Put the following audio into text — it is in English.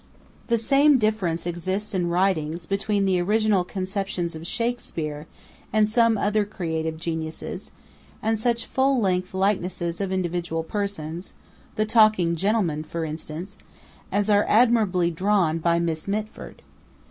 The same difference exists in writings between the original conceptions of Shakspeare and some other creative geniuses, and such full length likenesses of individual persons, 'The Talking Gentleman' for instance, as are admirably drawn by Miss Mitford.